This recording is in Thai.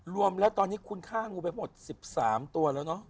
รวมแล้วตอนนี้คุณฆ่างูไปหมด๑๓ตัวแล้วเนอะ